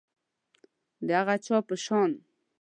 د هغه چا په شان